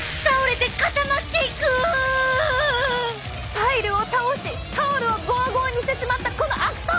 パイルを倒しタオルをゴワゴワにしてしまったこの悪党！